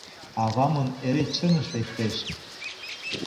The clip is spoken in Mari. Авамын эре чыныш лектеш.